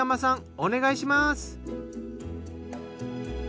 お願いします。